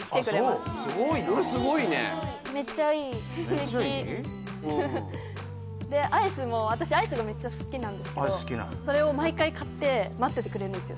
すごいなそれすごいね素敵ウフフでアイスも私アイスがめっちゃ好きなんですけどそれを毎回買って待っててくれるんですよ